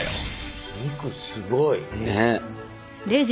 お肉すごい。ね！